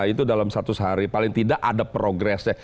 itu dalam seratus hari paling tidak ada progresnya